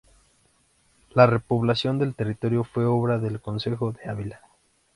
La repoblación del territorio fue obra del concejo de Ávila.